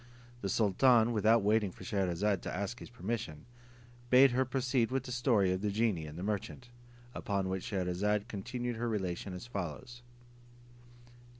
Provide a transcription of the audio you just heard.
The sultan, without waiting for Scheherazade to ask his permission, bade her proceed with the story of the genie and the merchant; upon which Scheherazade continued her relation as follows.